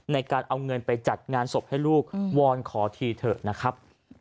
ในการเอาเงินไปจัดงานศพให้ลูกวอนขอทีเถอะนะครับ